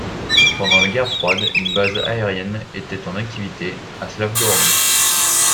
Pendant la guerre froide, une base aérienne était en activité à Slavgorod.